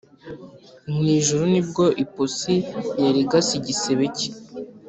mu ijoro nibwo ipusi yarigase igisebe cye